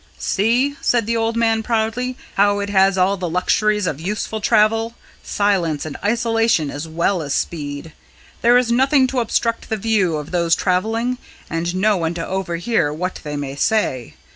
"See," said the old man proudly, "how it has all the luxuries of useful travel silence and isolation as well as speed. There is nothing to obstruct the view of those travelling and no one to overhear what they may say.